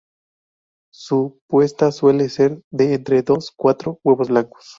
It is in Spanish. Su puesta suele ser de entre dos y cuatro huevos blancos.